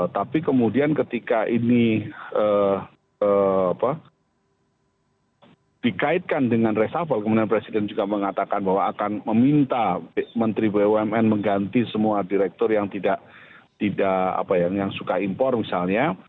tapi kemudian ketika ini dikaitkan dengan resafel kemudian presiden juga mengatakan bahwa akan meminta menteri bumn mengganti semua direktur yang tidak suka impor misalnya